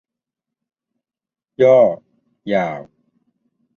ย่อ : ยาว